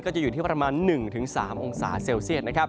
ก็จะอยู่ที่ประมาณ๑๓องศาเซลเซียต